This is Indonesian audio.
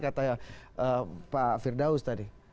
kata pak firdaus tadi